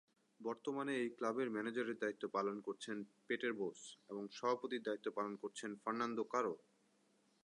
বর্তমানে এই ক্লাবের ম্যানেজারের দায়িত্ব পালন করছেন পেটের বোস এবং সভাপতির দায়িত্ব পালন করছেন ফের্নান্দো কারো।